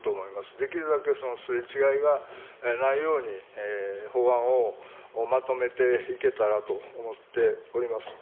できるだけすれ違いがないように法案をまとめていけたらと思っております。